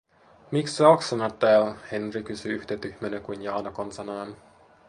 "Miks sä oksennat tääl?", Henri kysyi yhtä tyhmänä kuin Jaana konsanaan.